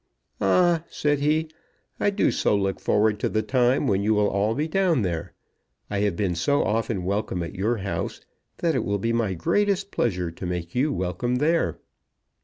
"Ah," said he, "I do so look forward to the time when you will all be down there. I have been so often welcome at your house, that it will be my greatest pleasure to make you welcome there."